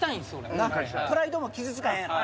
プライドも傷つかへんやろ。